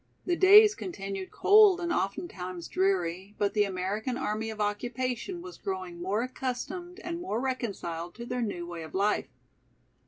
The days continued cold and oftentimes dreary, but the American Army of Occupation was growing more accustomed and more reconciled to their new way of life.